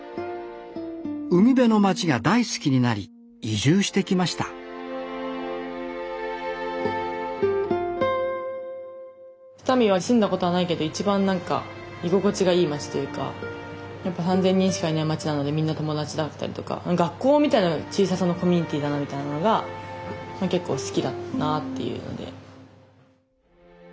海辺の町が大好きになり移住してきました双海は住んだことはないけど一番何か居心地がいい町というかやっぱ３，０００人しかいない町なのでみんな友達だったりとか学校みたいな小ささのコミュニティーだなみたいなのが結構好きだなっていうので。